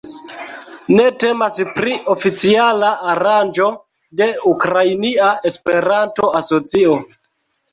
Ne temas pri oficiala aranĝo de Ukrainia Esperanto-Asocio.